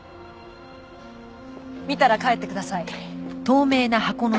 見たら帰ってください。